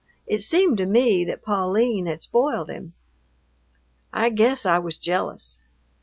It seemed to me that Pauline had spoiled him. I guess I was jealous.